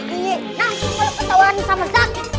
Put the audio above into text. nah ini malem ketawain sama zaky